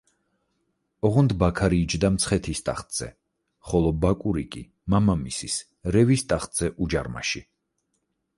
ოღონდ ბაქარი იჯდა მცხეთის ტახტზე, ხოლო ბაკური კი მამამისის რევის ტახტზე უჯარმაში.